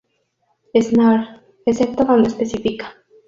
Snare, excepto donde específica.